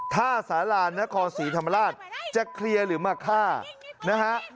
ท่าสารานครศรีธรรมราชจะเคลียร์หรือมาฆ่านะฮะ